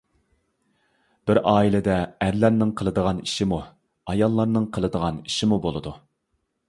بىر ئائىلىدە ئەرلەرنىڭ قىلىدىغان ئىشىمۇ، ئاياللارنىڭ قىلىدىغان ئىشىمۇ بولىدۇ.